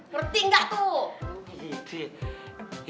ngerti gak tuh